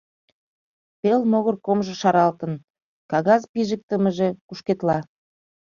Пел могыр комжо шаралтын, кагаз пижыктымыже кушкедла.